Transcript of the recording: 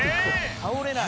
「倒れない」